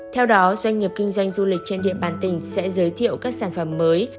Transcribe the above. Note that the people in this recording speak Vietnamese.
theo đó doanh nghiệp kinh doanh du lịch trên địa bàn tỉnh sẽ giới thiệu các sản phẩm mới